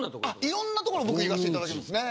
いろんなところ僕行かしていただいてますね。